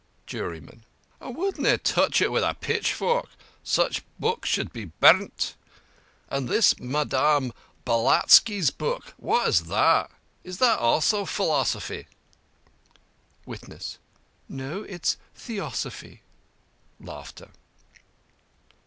The JURYMAN: I would na' touch it with a pitchfork. Such books should be burnt. And this Madame Blavatsky's book what is that? Is that also pheelosophy? WITNESS: No. It is Theosophy.